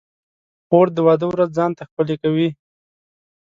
خور د واده ورځ ځان ته ښکلې کوي.